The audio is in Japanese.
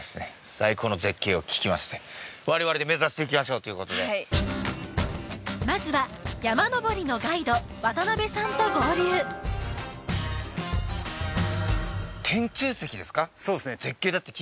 最高の絶景を聞きましてわれわれで目指していきましょうということでまずは山登りのガイド渡邊さんと合流「天柱石」ですか？